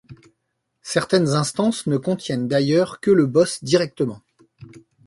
Certaines instances ne contiennent d'ailleurs que le boss directement.